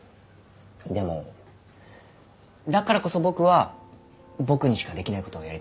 でもだからこそ僕は僕にしかできない事をやりたくて。